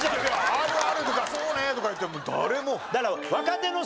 「あるある」とか「そうね」とか誰も。